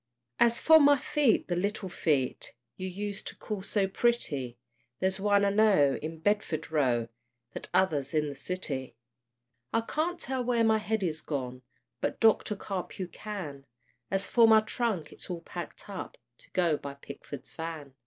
As for my feet, the little feet You used to call so pretty, There's one, I know, in Bedford Row, The t'other's in the City. I can't tell where my head is gone, But Doctor Carpue can; As for my trunk, it's all packed up To go by Pickford's van.